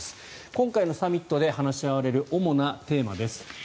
今回のサミットで話し合われる主なテーマです。